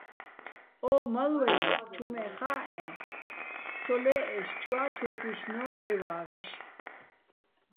ო მალვაჲლნო̆, ჩუ მე ხა́ჸეჼ, ცოლე́ჸეშ ჩუა თუ́ჲჰ̦ვისნო́რ ჺევა́ღეშ.